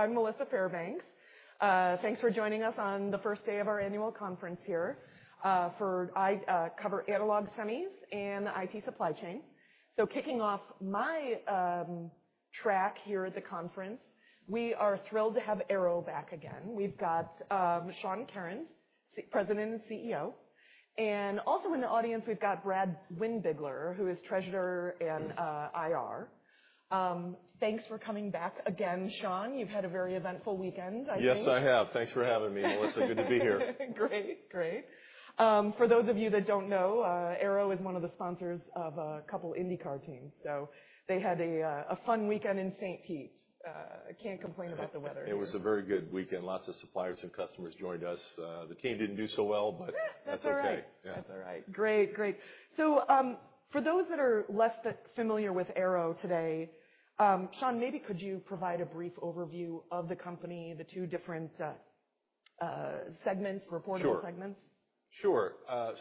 So, I'm Melissa Fairbanks. Thanks for joining us on the first day of our annual conference here. For I cover analog semis and the IT supply chain. So, kicking off my track here at the conference, we are thrilled to have Arrow back again. We've got Sean Kerins, President and CEO. And also in the audience, we've got Brad Windbigler, who is Treasurer and IR. Thanks for coming back again, Sean. You've had a very eventful weekend, I believe. Yes, I have. Thanks for having me, Melissa. Good to be here. Great. Great. For those of you that don't know, Arrow is one of the sponsors of a couple of IndyCar teams. So, they had a fun weekend in St. Pete. Can't complain about the weather. It was a very good weekend. Lots of suppliers and customers joined us. The team didn't do so well, but that's okay. That's all right. Yeah. That's all right. Great. Great. So, for those that are less familiar with Arrow today, Sean, maybe could you provide a brief overview of the company, the two different segments, reporting segments? Sure. Sure,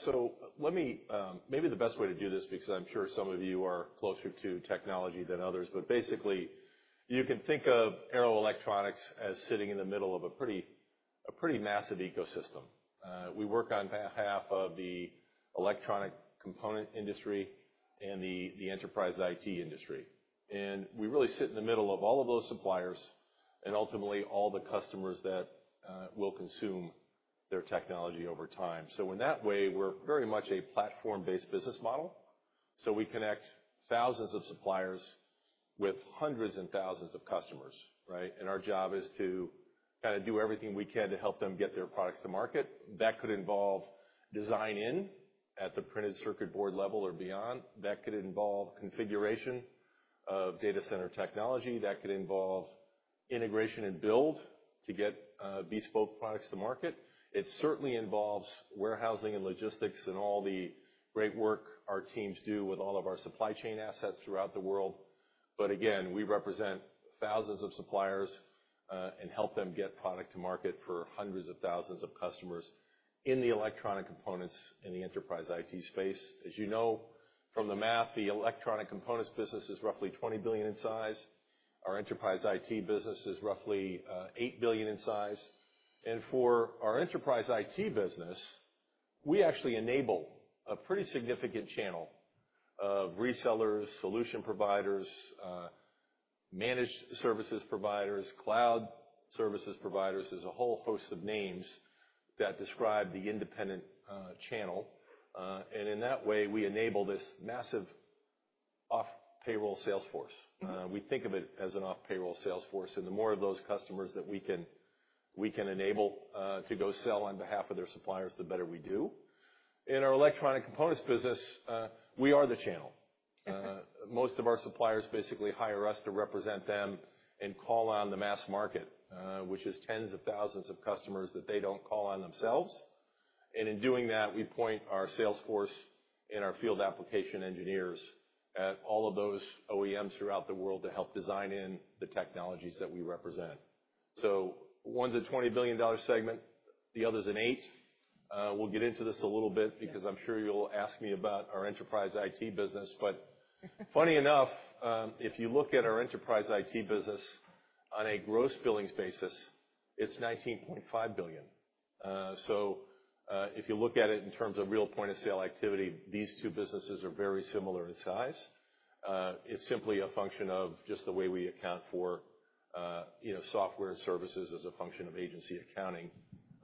so let me maybe the best way to do this, because I'm sure some of you are closer to technology than others, but basically, you can think of Arrow Electronics as sitting in the middle of a pretty massive ecosystem. We work on behalf of the electronic component industry and the enterprise IT industry, and we really sit in the middle of all of those suppliers and ultimately all the customers that will consume their technology over time, so in that way, we're very much a platform-based business model, so we connect thousands of suppliers with hundreds and thousands of customers, right, and our job is to kind of do everything we can to help them get their products to market. That could involve design in at the printed circuit board level or beyond. That could involve configuration of data center technology. That could involve integration and build to get bespoke products to market. It certainly involves warehousing and logistics and all the great work our teams do with all of our supply chain assets throughout the world. But again, we represent thousands of suppliers, and help them get product to market for hundreds of thousands of customers in the electronic components in the enterprise IT space. As you know from the math, the electronic components business is roughly $20 billion in size. Our enterprise IT business is roughly $8 billion in size. And for our enterprise IT business, we actually enable a pretty significant channel of resellers, solution providers, managed services providers, cloud services providers. There's a whole host of names that describe the independent channel. And in that way, we enable this massive off-payroll sales force. We think of it as an off-payroll sales force. And the more of those customers that we can enable to go sell on behalf of their suppliers, the better we do. In our electronic components business, we are the channel. Most of our suppliers basically hire us to represent them and call on the mass market, which is tens of thousands of customers that they don't call on themselves. And in doing that, we point our sales force and our field application engineers at all of those OEMs throughout the world to help design in the technologies that we represent. So, one's a $20 billion segment. The other's an $8 billion. We'll get into this a little bit because I'm sure you'll ask me about our enterprise IT business. But funny enough, if you look at our enterprise IT business on a gross billings basis, it's $19.5 billion. So, if you look at it in terms of real point of sale activity, these two businesses are very similar in size. It's simply a function of just the way we account for, you know, software services as a function of agency accounting,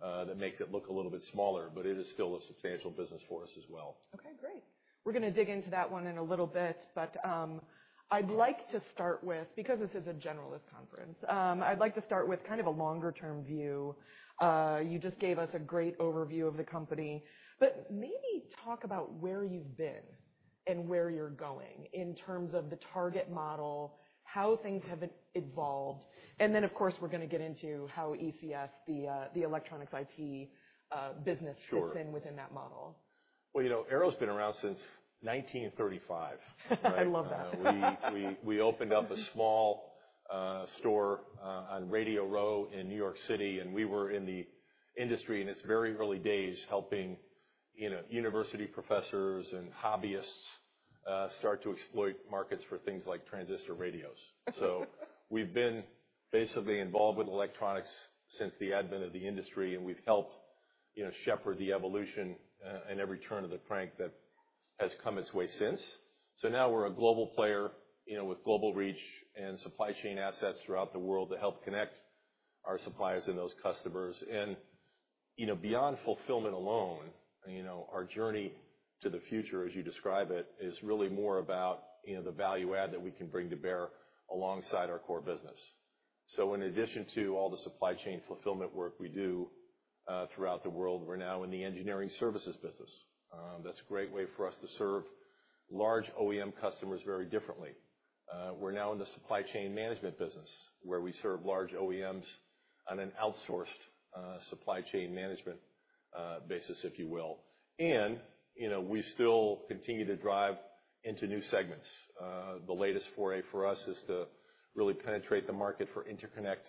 that makes it look a little bit smaller, but it is still a substantial business for us as well. Okay. Great. We're gonna dig into that one in a little bit. But, I'd like to start with, because this is a generalist conference, I'd like to start with kind of a longer-term view. You just gave us a great overview of the company. But maybe talk about where you've been and where you're going in terms of the target model, how things have evolved. And then, of course, we're gonna get into how ECS, the electronics IT business fits in within that model. Sure. Well, you know, Arrow's been around since 1935. I love that. We opened up a small store on Radio Row in New York City, and we were in the industry in its very early days helping, you know, university professors and hobbyists start to exploit markets for things like transistor radios. So, we've been basically involved with electronics since the advent of the industry, and we've helped, you know, shepherd the evolution, and every turn of the crank that has come its way since. So, now we're a global player, you know, with global reach and supply chain assets throughout the world to help connect our suppliers and those customers. And, you know, beyond fulfillment alone, you know, our journey to the future, as you describe it, is really more about, you know, the value add that we can bring to bear alongside our core business. So, in addition to all the supply chain fulfillment work we do, throughout the world, we're now in the engineering services business. That's a great way for us to serve large OEM customers very differently. We're now in the supply chain management business where we serve large OEMs on an outsourced, supply chain management, basis, if you will. And, you know, we still continue to drive into new segments. The latest foray for us is to really penetrate the market for interconnect,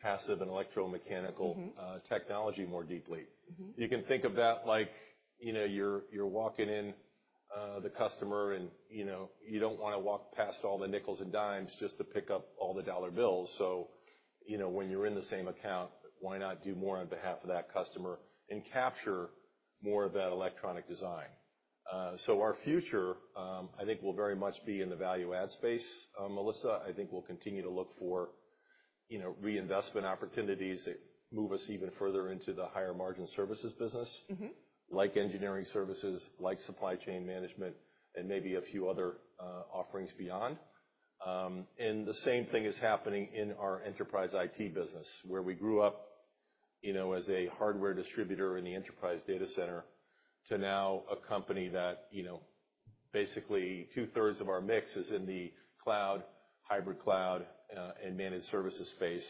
passive, and electromechanical technology more deeply. You can think of that like, you know, you're walking in, the customer and, you know, you don't wanna walk past all the nickels and dimes just to pick up all the dollar bills. So, you know, when you're in the same account, why not do more on behalf of that customer and capture more of that electronic design? So our future, I think, will very much be in the value add space. Melissa, I think we'll continue to look for, you know, reinvestment opportunities that move us even further into the higher margin services business. Like engineering services, like supply chain management, and maybe a few other offerings beyond, and the same thing is happening in our enterprise IT business where we grew up, you know, as a hardware distributor in the enterprise data center to now a company that, you know, basically two-thirds of our mix is in the cloud, hybrid cloud, and managed services space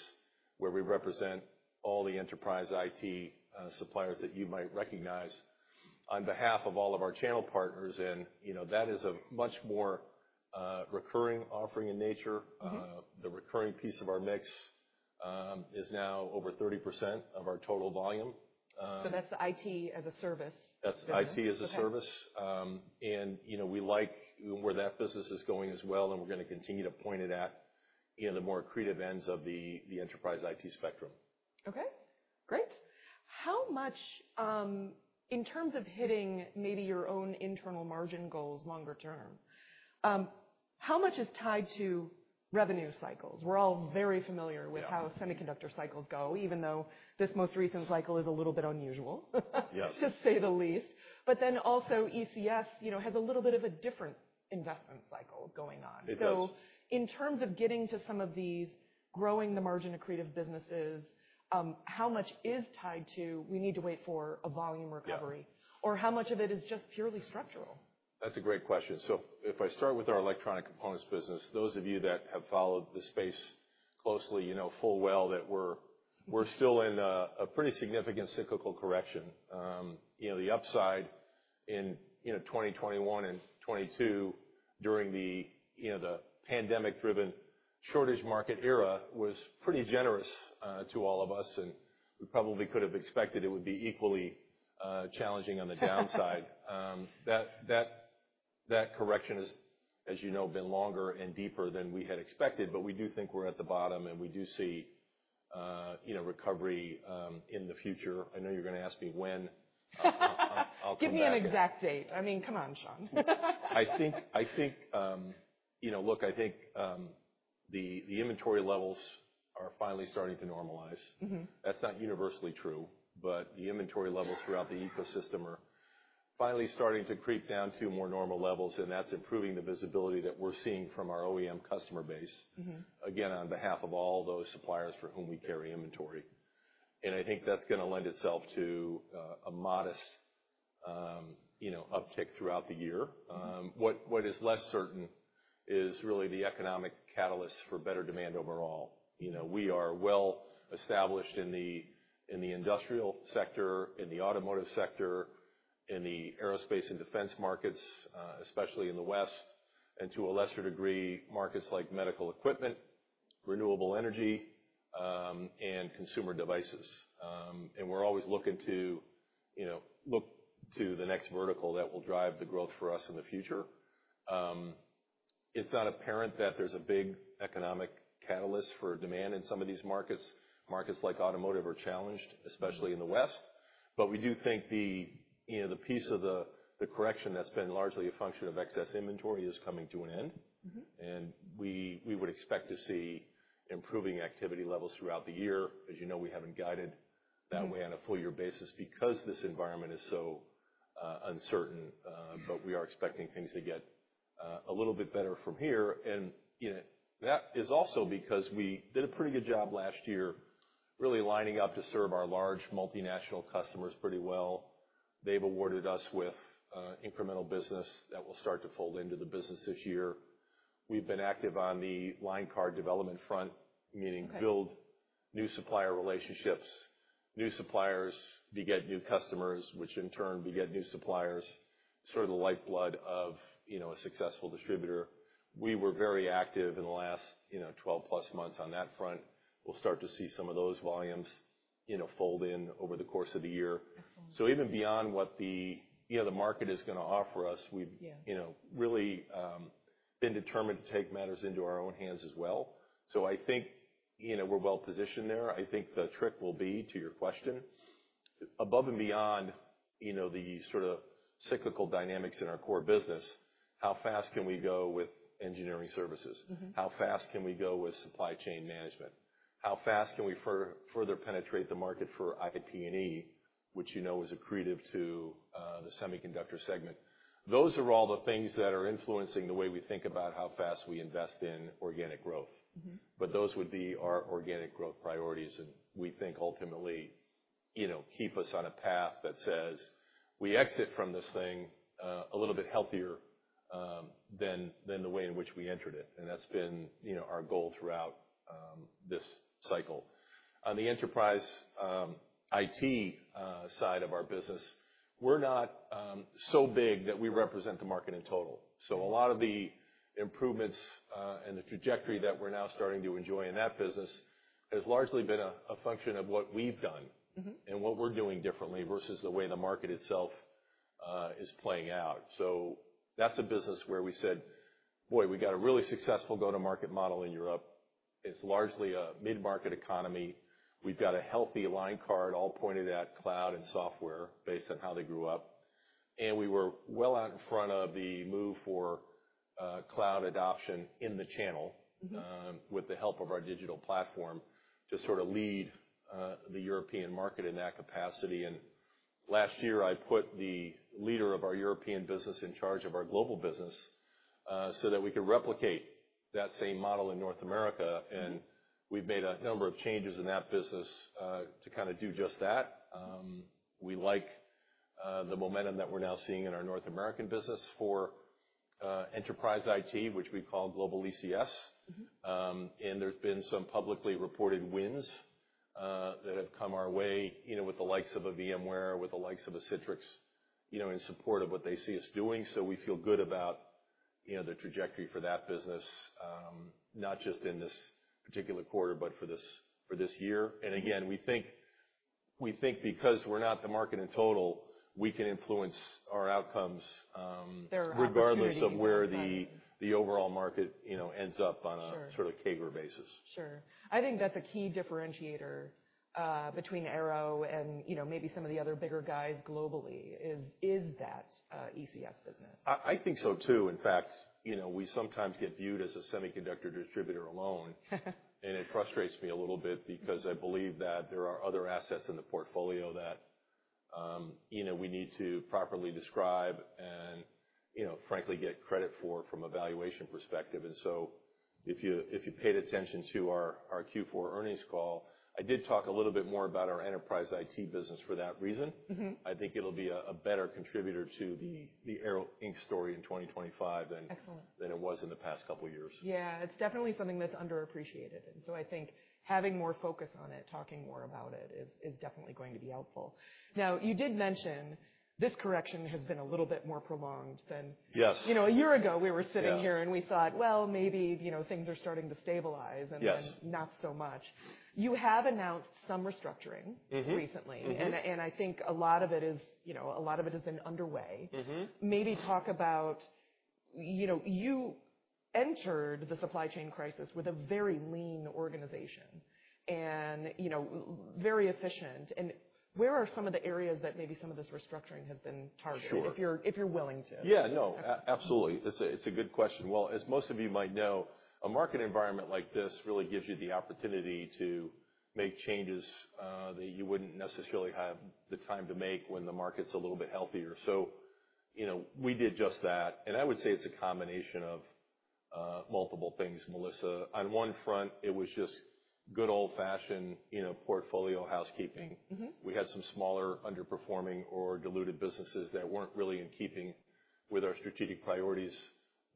where we represent all the enterprise IT suppliers that you might recognize on behalf of all of our channel partners, and you know, that is a much more recurring offering in nature, the recurring piece of our mix, is now over 30% of our total volume. So, that's the IT as a service. That's IT as a service and, you know, we like where that business is going as well, and we're gonna continue to point it at, you know, the more accretive ends of the enterprise IT spectrum. Okay. Great. How much, in terms of hitting maybe your own internal margin goals longer term, how much is tied to revenue cycles? We're all very familiar with how semiconductor cycles go, even though this most recent cycle is a little bit unusual. Yes. To say the least. But then also, ECS, you know, has a little bit of a different investment cycle going on. It does. So, in terms of getting to some of these growing the margin accretive businesses, how much is tied to, we need to wait for a volume recovery? Or how much of it is just purely structural? That's a great question. So, if I start with our electronic components business, those of you that have followed the space closely, you know full well that we're still in a pretty significant cyclical correction. You know, the upside in you know, 2021 and 2022 during the you know, the pandemic-driven shortage market era was pretty generous to all of us. And we probably could have expected it would be equally challenging on the downside. That correction has, as you know, been longer and deeper than we had expected. But we do think we're at the bottom, and we do see you know, recovery in the future. I know you're gonna ask me when. I'll come back. Give me an exact date. I mean, come on, Sean. I think, you know, look, the inventory levels are finally starting to normalize. That's not universally true. But the inventory levels throughout the ecosystem are finally starting to creep down to more normal levels. And that's improving the visibility that we're seeing from our OEM customer base. Again, on behalf of all those suppliers for whom we carry inventory, and I think that's gonna lend itself to a modest, you know, uptick throughout the year. What is less certain is really the economic catalysts for better demand overall. You know, we are well established in the industrial sector, in the automotive sector, in the aerospace and defense markets, especially in the West, and to a lesser degree, markets like medical equipment, renewable energy, and consumer devices, and we're always looking to, you know, look to the next vertical that will drive the growth for us in the future. It's not apparent that there's a big economic catalyst for demand in some of these markets. Markets like automotive are challenged, especially in the West. But we do think you know the piece of the correction that's been largely a function of excess inventory is coming to an end. And we would expect to see improving activity levels throughout the year. As you know, we haven't guided that way on a full-year basis because this environment is so uncertain. But we are expecting things to get a little bit better from here. And you know, that is also because we did a pretty good job last year really lining up to serve our large multinational customers pretty well. They have awarded us with incremental business that will start to fold into the business this year. We have been active on the line card development front, meaning. Build new supplier relationships, new suppliers, beget new customers, which in turn beget new suppliers, sort of the lifeblood of, you know, a successful distributor. We were very active in the last, you know, 12-plus months on that front. We'll start to see some of those volumes, you know, fold in over the course of the year. So, even beyond what you know, the market is gonna offer us, we've- you know, really, we've been determined to take matters into our own hands as well. So, I think, you know, we're well positioned there. I think the trick will be, to your question, above and beyond, you know, the sort of cyclical dynamics in our core business, how fast can we go with engineering services? How fast can we go with supply chain management? How fast can we further penetrate the market for IP&E, which, you know, is accretive to, the semiconductor segment? Those are all the things that are influencing the way we think about how fast we invest in organic growth. But those would be our organic growth priorities and we think ultimately, you know, keep us on a path that says we exit from this thing a little bit healthier than the way in which we entered it. And that's been, you know, our goal throughout this cycle. On the enterprise IT side of our business, we're not so big that we represent the market in total. So a lot of the improvements and the trajectory that we're now starting to enjoy in that business has largely been a function of what we've done. And what we're doing differently versus the way the market itself is playing out. So, that's a business where we said, "Boy, we got a really successful go-to-market model in Europe. It's largely a mid-market economy. We've got a healthy line card all pointed at cloud and software based on how they grew up." And we were well out in front of the move to cloud adoption in the channel. With the help of our digital platform to sort of lead the European market in that capacity. And last year, I put the leader of our European business in charge of our global business, so that we could replicate that same model in North America. And we've made a number of changes in that business, to kinda do just that. We like the momentum that we're now seeing in our North American business for enterprise IT, which we call Global ECS. And there's been some publicly reported wins that have come our way, you know, with the likes of a VMware, with the likes of a Citrix, you know, in support of what they see us doing. So, we feel good about, you know, the trajectory for that business, not just in this particular quarter but for this year. And again. We think because we're not the market in total, we can influence our outcomes. Regardless of where the overall market, you know, ends up on a sort of CAGR basis. Sure. I think that's a key differentiator between Arrow and, you know, maybe some of the other bigger guys globally is that ECS business. I think so too. In fact, you know, we sometimes get viewed as a semiconductor distributor alone, and it frustrates me a little bit because I believe that there are other assets in the portfolio that, you know, we need to properly describe and, you know, frankly, get credit for from a valuation perspective, and so, if you paid attention to our Q4 earnings call, I did talk a little bit more about our enterprise IT business for that reason. I think it'll be a better contributor to the Arrow Inc. story in 2025 than it was in the past couple of years. Yeah. It's definitely something that's underappreciated. And so, I think having more focus on it, talking more about it is definitely going to be helpful. Now, you did mention this correction has been a little bit more prolonged than. Yes. You know, a year ago, we were sitting here and we thought, "Well, maybe, you know, things are starting to stabilize," and then, "Not so much." You have announced some restructuring recently and I think a lot of it is, you know, a lot of it has been underway. Mm-hmm. Maybe talk about, you know, you entered the supply chain crisis with a very lean organization and, you know, very efficient, and where are some of the areas that maybe some of this restructuring has been targeted? If you're willing to. Yeah. No. Absolutely. It's a good question. Well, as most of you might know, a market environment like this really gives you the opportunity to make changes that you wouldn't necessarily have the time to make when the market's a little bit healthier. So, you know, we did just that. And I would say it's a combination of multiple things, Melissa. On one front, it was just good old-fashioned, you know, portfolio housekeeping. We had some smaller underperforming or diluted businesses that weren't really in keeping with our strategic priorities.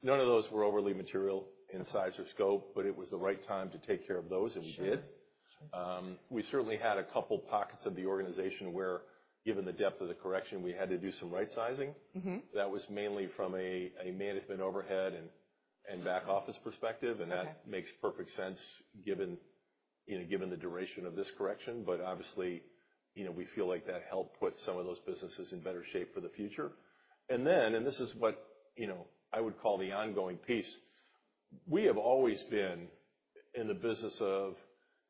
None of those were overly material in size or scope, but it was the right time to take care of those, and we did. We certainly had a couple pockets of the organization where, given the depth of the correction, we had to do some right-sizing. Mm-hmm. That was mainly from a management overhead and back-office perspective and that makes perfect sense given, you know, given the duration of this correction. But obviously, you know, we feel like that helped put some of those businesses in better shape for the future. Then this is what, you know, I would call the ongoing piece, we have always been in the business of,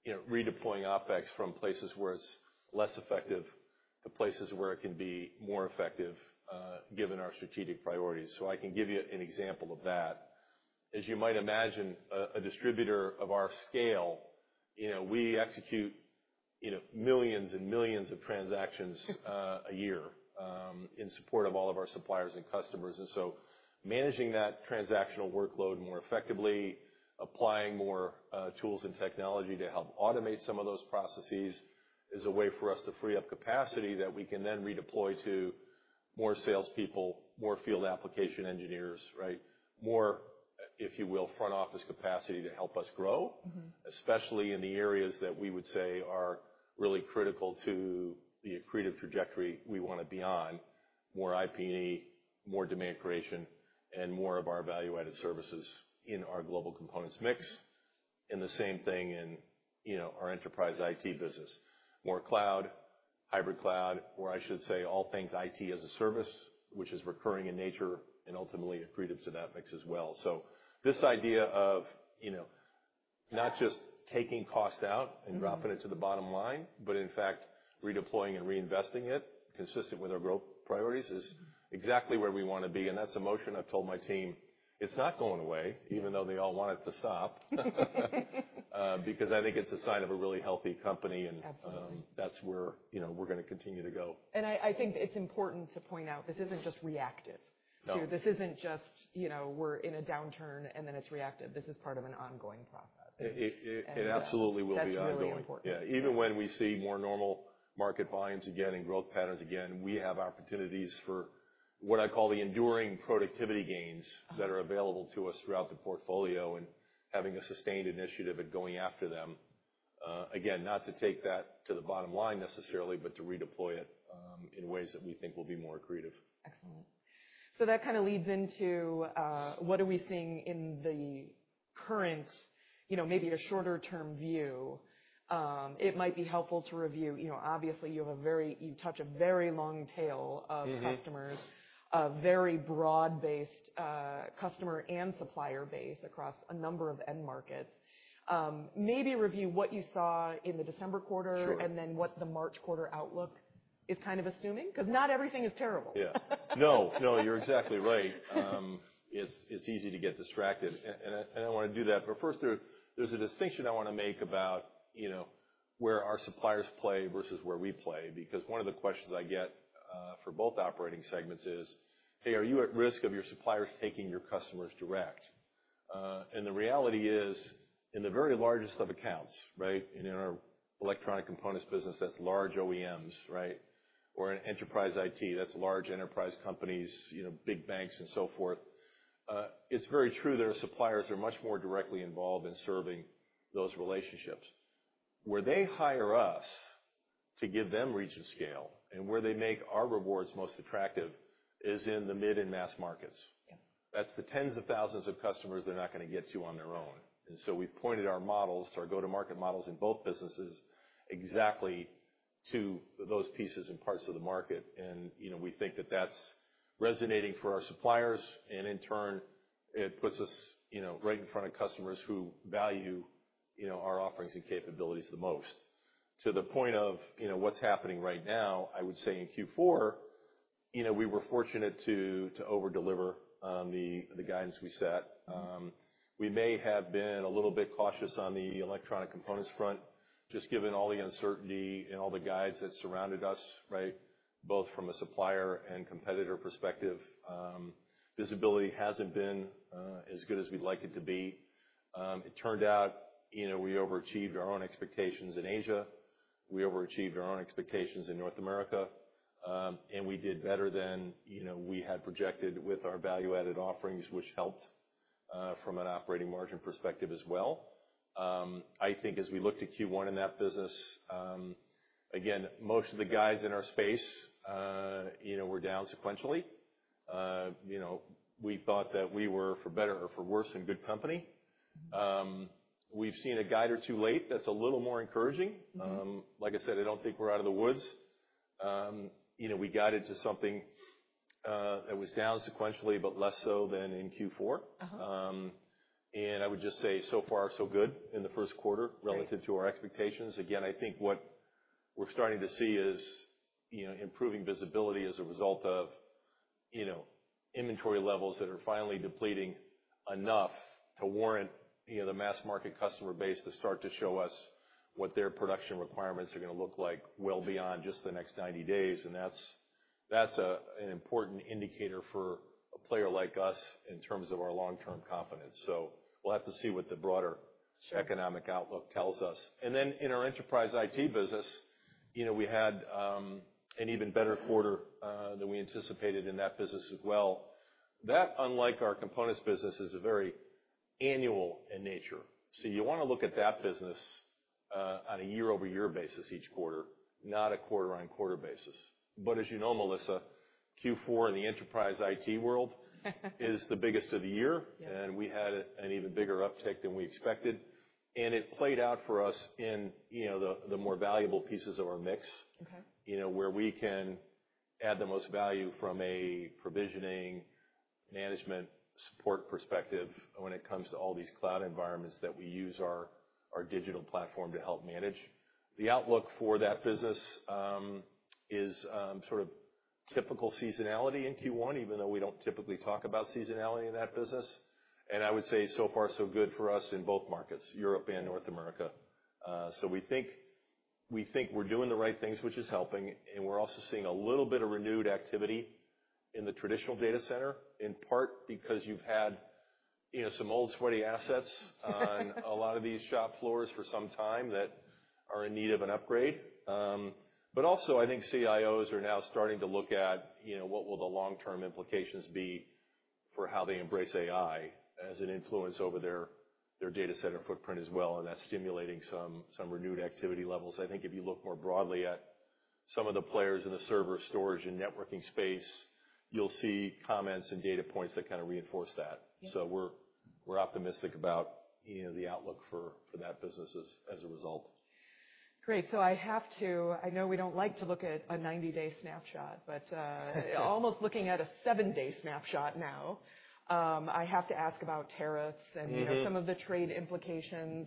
you know, redeploying OpEx from places where it's less effective to places where it can be more effective, given our strategic priorities. I can give you an example of that. As you might imagine, a distributor of our scale, you know, we execute, you know, millions and millions of transactions. Mm-hmm. A year, in support of all of our suppliers and customers, and so, managing that transactional workload more effectively, applying more tools and technology to help automate some of those processes is a way for us to free up capacity that we can then redeploy to more salespeople, more field application engineers, right? More, if you will, front-office capacity to help us grow. Mm-hmm. Especially in the areas that we would say are really critical to the accretive trajectory we wanna be on: more IP&E, more demand creation, and more of our value-added services in our global components mix. And the same thing in, you know, our enterprise IT business: more cloud, hybrid cloud, or I should say all things IT as a service, which is recurring in nature and ultimately accretive to that mix as well. So, this idea of, you know, not just taking cost out and dropping it to the bottom line, but in fact, redeploying and reinvesting it consistent with our growth priorities is exactly where we wanna be. And that's a motion I've told my team it's not going away, even though they all want it to stop, because I think it's a sign of a really healthy company and that's where, you know, we're gonna continue to go. I think it's important to point out this isn't just reactive. No. This isn't just, you know, we're in a downturn and then it's reactive. This is part of an ongoing process. It absolutely will be ongoing. This is really important. Yeah. Even when we see more normal market volumes again and growth patterns again, we have opportunities for what I call the enduring productivity gains that are available to us throughout the portfolio and having a sustained initiative at going after them. Again, not to take that to the bottom line necessarily, but to redeploy it, in ways that we think will be more accretive. Excellent. So, that kinda leads into, what are we seeing in the current, you know, maybe a shorter-term view? It might be helpful to review, you know, obviously, you touch a very long tail of customers. Mm-hmm. A very broad-based, customer and supplier base across a number of end markets. Maybe review what you saw in the December quarter. Sure. And then, what the March quarter outlook is kind of assuming 'cause not everything is terrible. Yeah. No. No. You're exactly right. It's easy to get distracted. And I don't wanna do that. But first, there's a distinction I wanna make about, you know, where our suppliers play versus where we play because one of the questions I get, for both operating segments is, "Hey, are you at risk of your suppliers taking your customers direct?" and the reality is, in the very largest of accounts, right, in our electronic components business, that's large OEMs, right, or in enterprise IT, that's large enterprise companies, you know, big banks and so forth. It's very true that our suppliers are much more directly involved in serving those relationships. Where they hire us to give them reach and scale and where they make our rewards most attractive is in the mid and mass markets. That's the tens of thousands of customers they're not gonna get to on their own. And so, we've pointed our models, our go-to-market models in both businesses, exactly to those pieces and parts of the market. And, you know, we think that that's resonating for our suppliers. And in turn, it puts us, you know, right in front of customers who value, you know, our offerings and capabilities the most. To the point of, you know, what's happening right now, I would say in Q4, you know, we were fortunate to overdeliver the guidance we set. We may have been a little bit cautious on the electronic components front just given all the uncertainty and all the guides that surrounded us, right, both from a supplier and competitor perspective. Visibility hasn't been as good as we'd like it to be. It turned out, you know, we overachieved our own expectations in Asia. We overachieved our own expectations in North America, and we did better than, you know, we had projected with our value-added offerings, which helped, from an operating margin perspective as well. I think as we looked at Q1 in that business, again, most of the guys in our space, you know, were down sequentially. You know, we thought that we were, for better or for worse, in good company. We've seen a guide or two late. That's a little more encouraging. Like I said, I don't think we're out of the woods. You know, we guided to something, that was down sequentially but less so than in Q4. Uh-huh. And I would just say so far, so good in the first quarter relative to our expectations. Again, I think what we're starting to see is, you know, improving visibility as a result of, you know, inventory levels that are finally depleting enough to warrant, you know, the mass market customer base to start to show us what their production requirements are gonna look like well beyond just the next 90 days. And that's, that's an important indicator for a player like us in terms of our long-term confidence. So, we'll have to see what the broader economic outlook tells us and then in our enterprise IT business, you know, we had an even better quarter than we anticipated in that business as well. That, unlike our components business, is very annual in nature so you wanna look at that business on a year-over-year basis each quarter, not a quarter-on-quarter basis but as you know, Melissa, Q4 in the enterprise IT world is the biggest of the year and we had an even bigger uptick than we expected. And it played out for us in, you know, the more valuable pieces of our mix. Okay. You know, where we can add the most value from a provisioning management support perspective when it comes to all these cloud environments that we use our digital platform to help manage. The outlook for that business is sort of typical seasonality in Q1, even though we don't typically talk about seasonality in that business. And I would say so far, so good for us in both markets, Europe and North America. So we think we're doing the right things, which is helping. And we're also seeing a little bit of renewed activity in the traditional data center in part because you've had, you know, some old sweaty assets on a lot of these shop floors for some time that are in need of an upgrade. but also, I think CIOs are now starting to look at, you know, what will the long-term implications be for how they embrace AI as an influence over their data center footprint as well. And that's stimulating some renewed activity levels. I think if you look more broadly at some of the players in the server storage and networking space, you'll see comments and data points that kinda reinforce that so, we're optimistic about, you know, the outlook for that business as a result. Great. So, I know we don't like to look at a 90-day snapshot, but almost looking at a 7-day snapshot now, I have to ask about tariffs and, you know, some of the trade implications.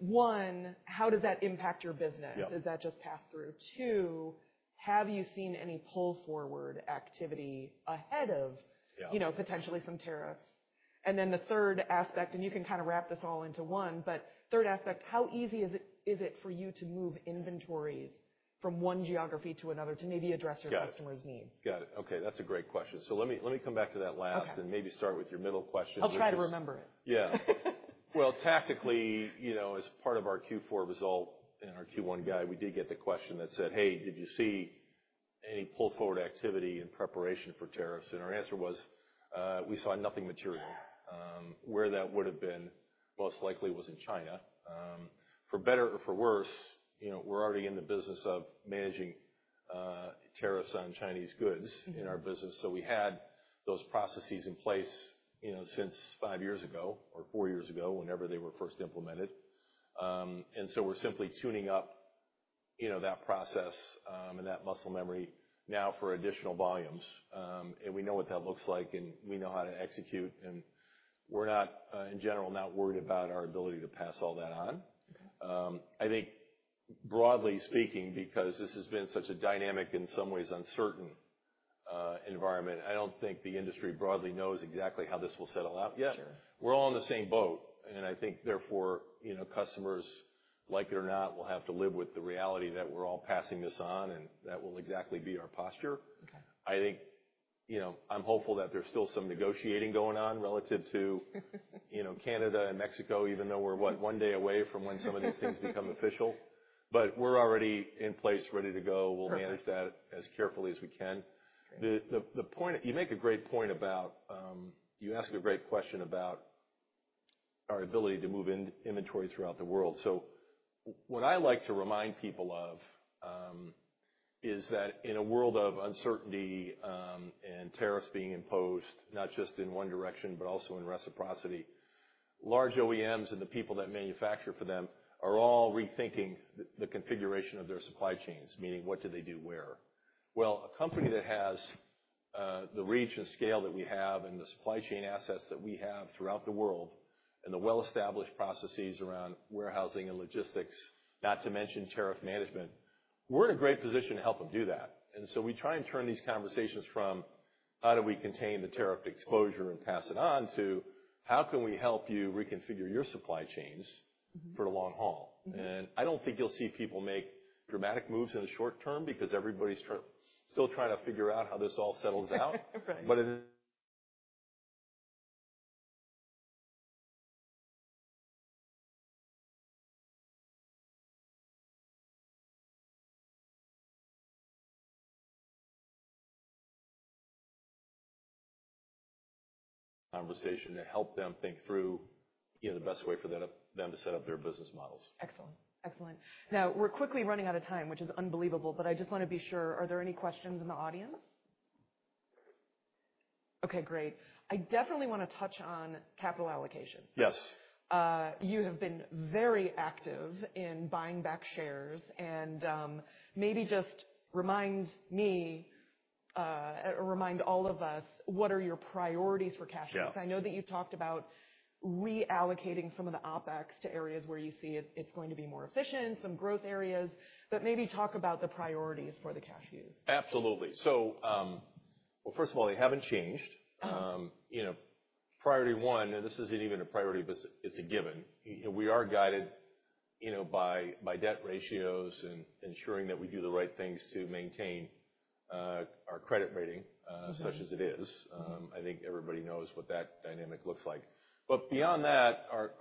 One, how does that impact your business? Does that just pass through? Two, have you seen any pull-forward activity ahead of. You know, potentially some tariffs? And then the third aspect, and you can kinda wrap this all into one, but third aspect, how easy is it, is it for you to move inventories from one geography to another to maybe address your customers' needs? Got it. Okay. That's a great question. So, let me, let me come back to that last and maybe start with your middle question. I'll try to remember it. Yeah. Well, tactically, you know, as part of our Q4 result and our Q1 guide, we did get the question that said, "Hey, did you see any pull-forward activity in preparation for tariffs?" And our answer was, we saw nothing material. Where that would've been most likely was in China. For better or for worse, you know, we're already in the business of managing tariffs on Chinese goods, in our business, so, we had those processes in place, you know, since five years ago or four years ago whenever they were first implemented. And so, we're simply tuning up, you know, that process, and that muscle memory now for additional volumes. And we know what that looks like, and we know how to execute. And we're not, in general, not worried about our ability to pass all that on. Okay. I think broadly speaking, because this has been such a dynamic and in some ways uncertain environment, I don't think the industry broadly knows exactly how this will settle out yet, we're all in the same boat, and I think therefore, you know, customers, like it or not, will have to live with the reality that we're all passing this on, and that will exactly be our posture. I think, you know, I'm hopeful that there's still some negotiating going on relative to, you know, Canada and Mexico, even though we're, what, one day away from when some of these things become official. But we're already in place, ready to go, we'll manage that as carefully as we can. Great. The point you make a great point about, you ask a great question about our ability to move inventory throughout the world. So, what I like to remind people of is that in a world of uncertainty, and tariffs being imposed, not just in one direction but also in reciprocity, large OEMs and the people that manufacture for them are all rethinking the configuration of their supply chains, meaning what do they do where? Well, a company that has the reach and scale that we have and the supply chain assets that we have throughout the world and the well-established processes around warehousing and logistics, not to mention tariff management, we're in a great position to help them do that. And so, we try and turn these conversations from "how do we contain the tariff exposure and pass it on?" to "how can we help you reconfigure your supply chains for the long haul?" I don't think you'll see people make dramatic moves in the short term because everybody's still trying to figure out how this all settles out. [inaudible] -conversation to help them think through, you know, the best way for them to set up their business models. Excellent. Excellent. Now, we're quickly running out of time, which is unbelievable, but I just wanna be sure, are there any questions in the audience? Okay. Great. I definitely wanna touch on capital allocation. You have been very active in buying back shares. And, maybe just remind me, or remind all of us, what are your priorities for cash use? I know that you've talked about reallocating some of the OpEx to areas where you see it's going to be more efficient, some growth areas, but maybe talk about the priorities for the cash use. Absolutely. So, well, first of all, they haven't changed. You know, priority one, and this isn't even a priority, but it's a given. You know, we are guided, you know, by debt ratios and ensuring that we do the right things to maintain our credit rating, such as it is. Mm-hmm. I think everybody knows what that dynamic looks like, but beyond that, our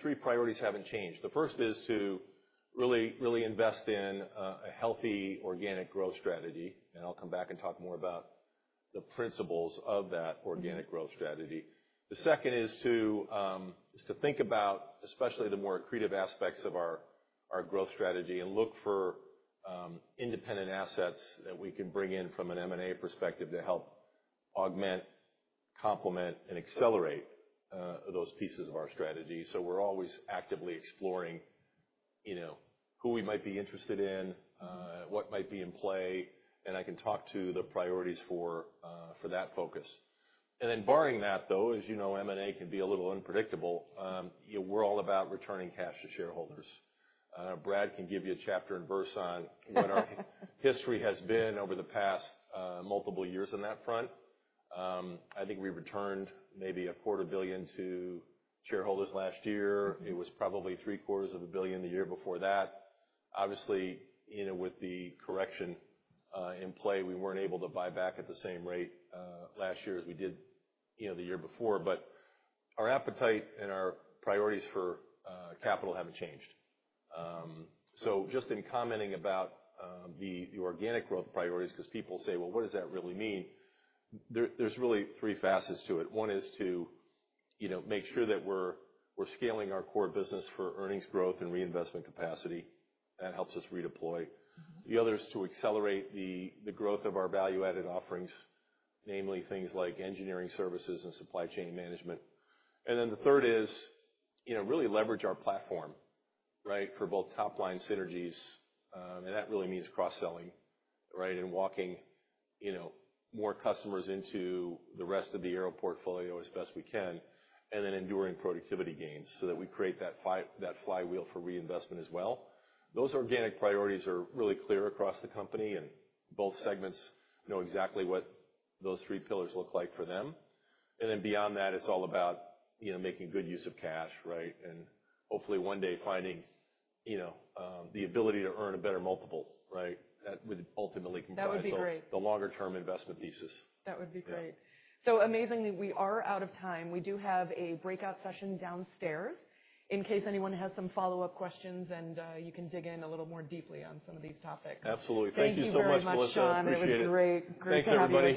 three priorities haven't changed. The first is to really, really invest in a healthy organic growth strategy, and I'll come back and talk more about the principles of that organic growth strategy. The second is to think about especially the more accretive aspects of our growth strategy and look for independent assets that we can bring in from an M&A perspective to help augment, complement, and accelerate those pieces of our strategy, so we're always actively exploring, you know, who we might be interested in, what might be in play, and I can talk to the priorities for that focus, and then barring that, though, as you know, M&A can be a little unpredictable, you know, we're all about returning cash to shareholders. Brad can give you a chapter and verse on what our history has been over the past, multiple years on that front. I think we returned maybe $250 million to shareholders last year. It was probably $750 million the year before that. Obviously, you know, with the correction in play, we weren't able to buy back at the same rate last year as we did, you know, the year before. But our appetite and our priorities for capital haven't changed, so just in commenting about the organic growth priorities, 'cause people say, "Well, what does that really mean?" There's really three facets to it. One is to, you know, make sure that we're scaling our core business for earnings growth and reinvestment capacity. That helps us redeploy. Mm-hmm. The other is to accelerate the growth of our value-added offerings, namely things like engineering services and supply chain management. And then the third is, you know, really leverage our platform, right, for both top-line synergies, and that really means cross-selling, right, and walking, you know, more customers into the rest of the Arrow portfolio as best we can, and then enduring productivity gains so that we create that flywheel for reinvestment as well. Those organic priorities are really clear across the company, and both segments know exactly what those three pillars look like for them. And then beyond that, it's all about, you know, making good use of cash, right, and hopefully one day finding, you know, the ability to earn a better multiple, right, that would ultimately comprise the longer-term investment thesis. That would be great. Yeah. Amazingly, we are out of time. We do have a breakout session downstairs in case anyone has some follow-up questions, and you can dig in a little more deeply on some of these topics. Absolutely. Thank you so much, Melissa. Thank you very much, Sean. Appreciate it. It was great to have you. Thanks, everybody.